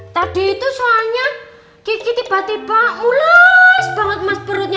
tadi itu soalnya gigi tiba tiba ules banget mas perutnya